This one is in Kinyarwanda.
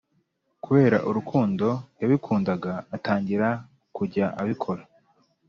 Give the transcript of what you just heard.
kubera urukundo yabikundaga atangira kujya abikora